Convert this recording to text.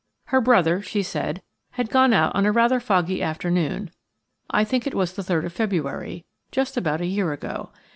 Her brother, she said, had gone out on a rather foggy afternoon. I think it was the 3rd of February, just about a year ago.